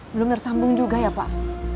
belum tersambung juga ya pak